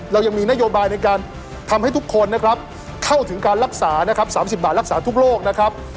เรายังมีนโยบายในการทำให้ทุกคนนะครับเข้าถึงการรักษานะครับ๓๐บาทรักษาทุกโรคนะครับ